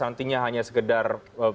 nantinya hanya sekedar